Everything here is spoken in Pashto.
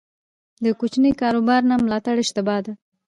د کوچني کاروبار نه ملاتړ اشتباه ده.